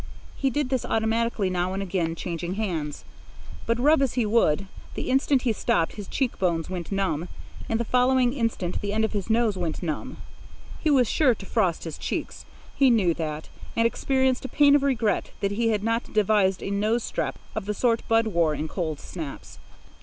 He did this automatically, now and again changing hands. But rub as he would, the instant he stopped his cheek bones went numb, and the following instant the end of his nose went numb. He was sure to frost his cheeks; he knew that, and experienced a pang of regret that he had not devised a nose strap of the sort Bud wore in cold snaps.